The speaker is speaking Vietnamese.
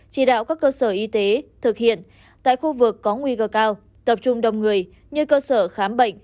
chỉ đạo các cơ sở y tế thực hiện tại khu vực có nguy cơ cao tập trung đông người như cơ sở khám bệnh